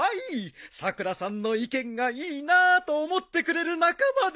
さくらさんの意見がいいなと思ってくれる仲間です。